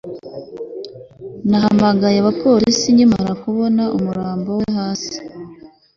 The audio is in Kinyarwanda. nahamagaye abapolisi nkimara kubona umurambo we hasi